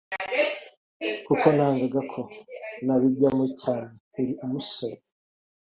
kuko nangaga ko nabijyamo cyane nkiri umusore